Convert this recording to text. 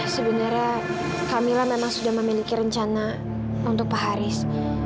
sebenarnya camillah memang sudah memiliki rencana untuk pak haris